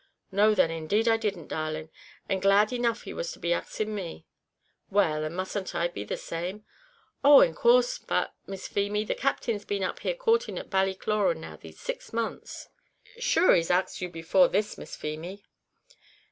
"No, then, indeed I didn't, darling; and glad enough he was to be axing me." "Well, and musn't I be the same?" "Oh! in course; but, Miss Feemy, the Captain's been up here coorting at Ballycloran now these six months; sure he axed you before this, Miss Feemy?"